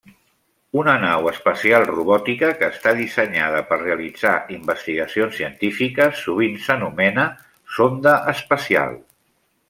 Una nau espacial robòtica que està dissenyada per realitzar investigacions científiques, sovint s'anomena sonda espacial.